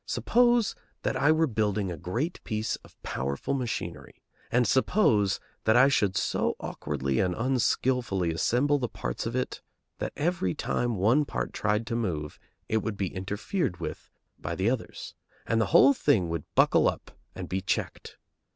Suppose that I were building a great piece of powerful machinery, and suppose that I should so awkwardly and unskilfully assemble the parts of it that every time one part tried to move it would be interfered with by the others, and the whole thing would buckle up and be checked.